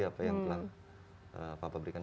apa yang telah papa berikan